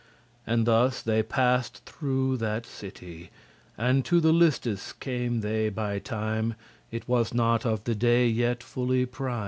And thus they passed thorough that city And to the listes came they by time: It was not of the day yet fully prime*.